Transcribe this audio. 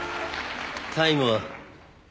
タイムは？